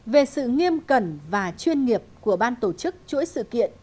về sự nghiêm cẩn và chuyên nghiệp của ban tổ chức chuỗi sự kiện